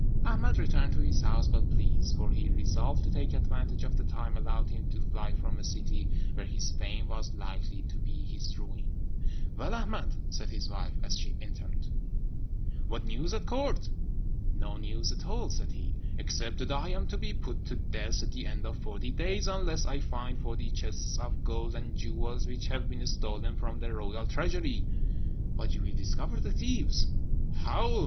Ahmed returned to his house well pleased; for he resolved to take advantage of the time allowed him to fly from a city where his fame was likely to be his ruin. "Well, Ahmed," said his wife, as he entered, "what news at Court?" "No news at all," said he, "except that I am to be put to death at the end of forty days, unless I find forty chests of gold and jewels which have been stolen from the royal treasury." "But you will discover the thieves." "How?